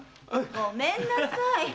ごめんなさい。